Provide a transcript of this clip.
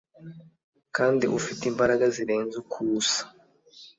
kandi ufite imbaraga zirenze uko usa